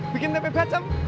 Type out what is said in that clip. bikin tempe bacem